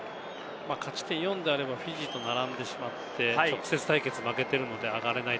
勝ち点４であればフィジーと並んでしまって、直接対決負けているので上がれない。